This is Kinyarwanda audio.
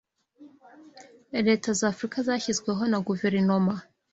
leta za Africa zashyizweho na guverinoma